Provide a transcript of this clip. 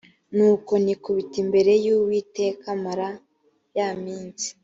nuko nikubita imbere y uwiteka mara ya minsi